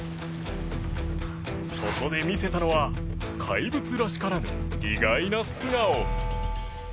そこで見せたのは怪物らしからぬ意外な素顔。